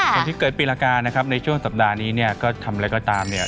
คนที่เกิดปีรากานะครับในช่วงสัปดาห์นี้เนี่ยก็ทำอะไรก็ตามเนี่ย